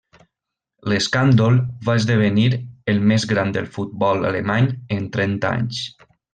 L'escàndol va esdevenir el més gran del futbol alemany en trenta anys.